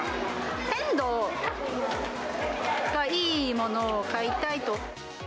鮮度がいいものを買いたいと。